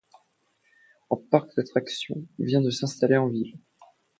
Un parc d'attractions vient de s'installer en ville.